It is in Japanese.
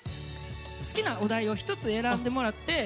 好きなお題を１つ選んでもらって○